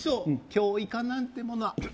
今日イカなんてものは」